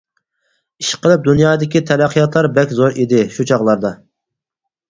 ئىشقىلىپ دۇنيادىكى تەرەققىياتلار بەك زور ئىدى شۇ چاغلاردا.